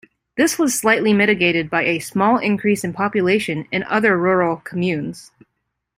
This was slightly mitigated by a small increase in population in other rural communes.